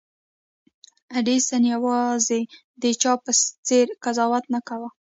ايډېسن يوازې د چا په څېره قضاوت نه کاوه.